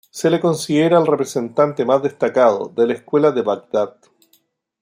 Se le considera el representante más destacado de la escuela de Bagdad.